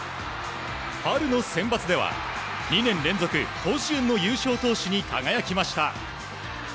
春のセンバツでは２年連続甲子園の優勝投手に輝きました。